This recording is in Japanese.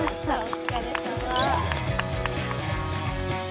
お疲れさま。